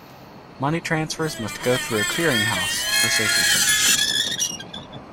Money transfers must go through a clearinghouse for safety purposes.